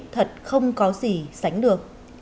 thật không có gì sánh được